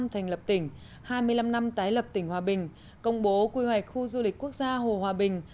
thành lập tỉnh hai mươi năm năm tái lập tỉnh hòa bình công bố quy hoạch khu du lịch quốc gia hồ hòa bình